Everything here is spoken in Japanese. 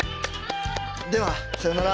ではさようなら。